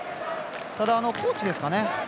ただ、コーチですかね。